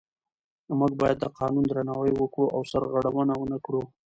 موږ باید د قانون درناوی وکړو او سرغړونه ونه کړو